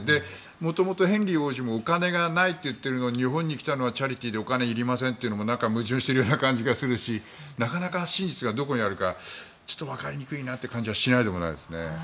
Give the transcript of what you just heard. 元々ヘンリー王子もお金がないと言っているのに日本に来たのはチャリティーでお金はいりませんと言ったのはなんか矛盾している感じがするしなかなか真実がどこにあるかわかりにくいなという感じがしないでもないですね。